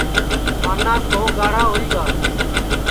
پاناس موھ گاھڑا ہوئی گا